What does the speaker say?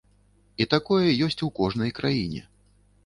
І такое ёсць у кожнай краіне.